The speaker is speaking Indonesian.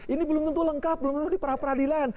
ini belum tentu lengkap belum tentu di pra peradilan